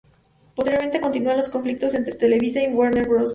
Posteriormente, continúan los conflictos entre Televisa y Warner Bros.